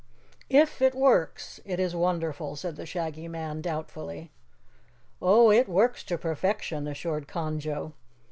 "If it works, it is wonderful," said the Shaggy Man doubtfully. "Oh, it works to perfection," assured Conjo.